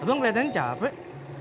abang kelihatan capek